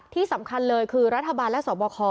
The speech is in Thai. ที่สำคัญเลยคือรัฐบาลและสวบค